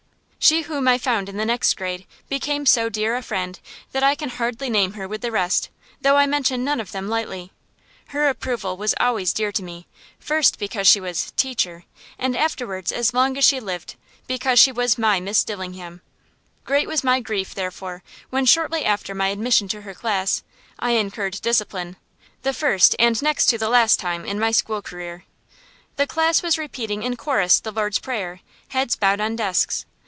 She whom I found in the next grade became so dear a friend that I can hardly name her with the rest, though I mention none of them lightly. Her approval was always dear to me, first because she was "Teacher," and afterwards, as long as she lived, because she was my Miss Dillingham. Great was my grief, therefore, when, shortly after my admission to her class, I incurred discipline, the first, and next to the last, time in my school career. The class was repeating in chorus the Lord's Prayer, heads bowed on desks.